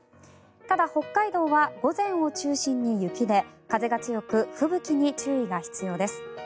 ただ、北海道は午前を中心に雪で風が強く吹雪に注意が必要です。